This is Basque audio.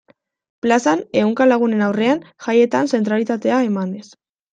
Plazan, ehunka lagunen aurrean, jaietan zentralitatea emanez.